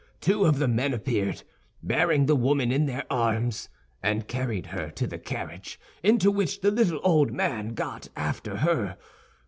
Two of the men appeared, bearing the woman in their arms, and carried her to the carriage, into which the little old man got after her.